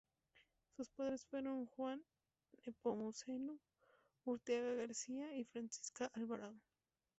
Sus padres fueron Juan Nepomuceno Urteaga García y Francisca Alvarado.